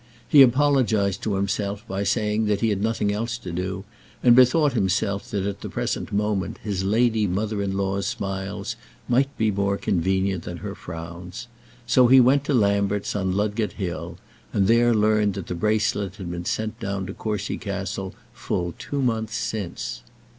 He apologized to himself by saying that he had nothing else to do, and bethought himself that at the present moment his lady mother in law's smiles might be more convenient than her frowns. So he went to Lambert's, on Ludgate Hill, and there learned that the bracelet had been sent down to Courcy Castle full two months since.